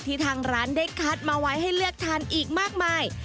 ทางร้านได้คัดมาไว้ให้เลือกทานอีกมากมาย